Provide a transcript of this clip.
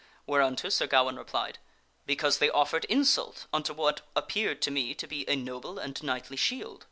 " Whereunto Sir Gawaine replied, " Because they offered insult unto what appeared to me to be a noble and knightly shield."